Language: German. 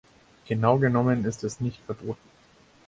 Genau genommen ist es nicht verboten.